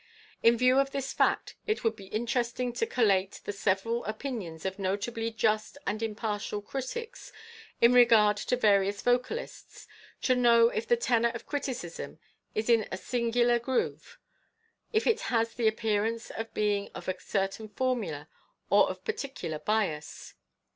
In view of this fact, it would be interesting to collate the several opinions of notably just and impartial critics in regard to various vocalists, to know if the tenor of criticism is in a singular groove; if it has the appearance of being of a certain formula or of particular bias.